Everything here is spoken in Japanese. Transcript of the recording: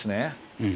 うん。